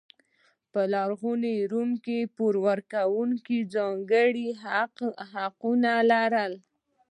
په لرغوني روم کې پور ورکوونکو ځانګړي حقونه لرل.